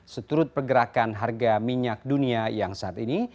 seturut pergerakan harga minyak dunia yang saat ini